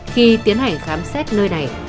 khi tiến hành khám xét nơi này